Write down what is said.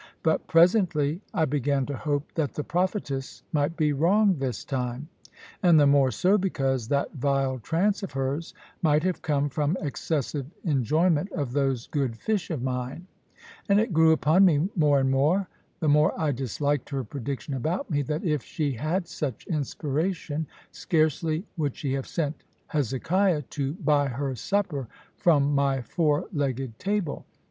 But presently I began to hope that the prophetess might be wrong this time; and the more so because that vile trance of hers might have come from excessive enjoyment of those good fish of mine. And it grew upon me more and more, the more I disliked her prediction about me, that if she had such inspiration, scarcely would she have sent Hezekiah to buy her supper from my four legged table.